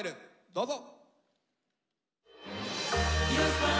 どうぞ。